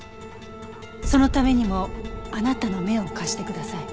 そのためにもあなたの目を貸してください。